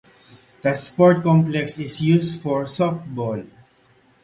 The sports complex is used for softball.